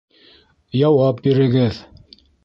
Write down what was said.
Яуап бирегеҙ!